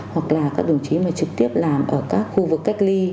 hoặc là các đồng chí mà trực tiếp làm ở các khu vực cách ly